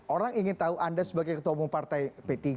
orang ingin tahu anda sebagai ketua umum partai p tiga